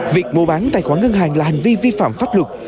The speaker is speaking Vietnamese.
việc mua bán tài khoản ngân hàng là hành vi vi phạm pháp luật